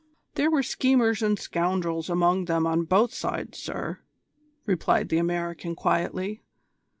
"There were schemers and scoundrels among them on both sides, sir," replied the American quietly.